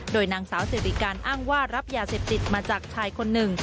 โดยนางสาวสิริการอ้างว่ารับยาเสพติดมาจากชายคนหนึ่ง